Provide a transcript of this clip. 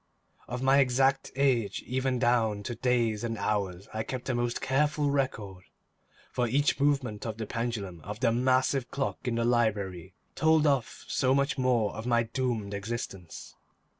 Of my exact age, even down to days and hours, I kept a most careful record, for each movement of the pendulum of the massive clock in the library tolled off so much more of my doomed existence.